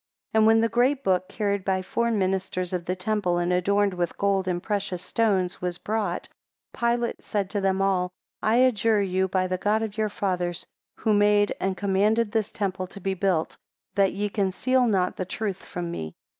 3 And when the great book, carried by four ministers of the temple, and adorned with gold and precious stones, was brought, Pilate said to them all, I adjure you by the God of your Fathers, who made and commanded this temple to be built, that ye conceal not the truth from me.